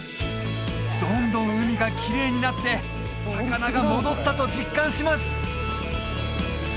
どんどん海がきれいになって魚が戻ったと実感します